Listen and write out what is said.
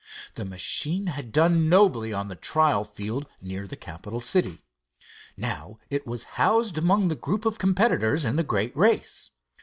The machine had done nobly on the trial field near the Capitol city. Now it was housed among the group of competitors in the great race.